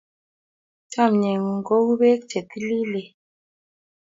Chamyengung ko u pek che tililen